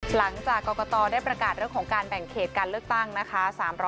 หลังจากกรกตได้ประกาศเรื่องของการแบ่งเขตการเลือกตั้งนะคะ